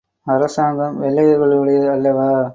அரசாங்கம் வெள்ளையர்களுடையது அல்லவா?